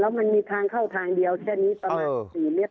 แล้วมันมีทางเข้าทางเดียวแค่นี้๔๕เมตร